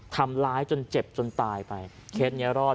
ทำร้ายจนเจ็บจนตายไปเคสนี้รอด